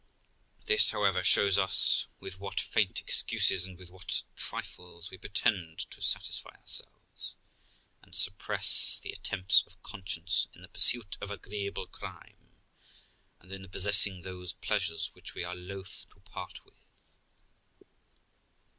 This, however, shows us with what faint excuses and with what trifles we pretend to satisfy ourselves, and suppress the attempts of conscience, in the pursuit of agreeable crime, and in the possessing those pleasures which we are loth to part with.